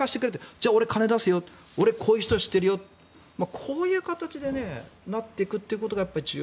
じゃあ俺金出すこういう人知ってるこういう形になっていくことが重要。